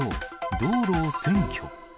道路を占拠。